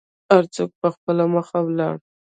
هر څوک په خپله مخه ولاړو.